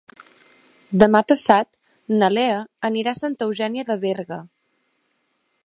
Demà passat na Lea anirà a Santa Eugènia de Berga.